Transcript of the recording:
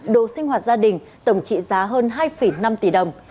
đồ sinh hoạt gia đình tổng trị giá hơn hai năm tỷ đồng